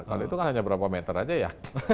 kalau itu kan hanya berapa meter aja ya